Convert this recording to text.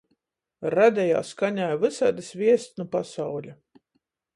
Radejā skanēja vysaidys viests nu pasauļa.